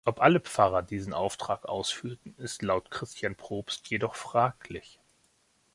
Ob alle Pfarrer diesen Auftrag ausführten, ist laut Christian Probst jedoch fraglich.